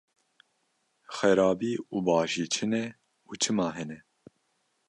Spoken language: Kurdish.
Xerabî û başî çi ne û çima hene?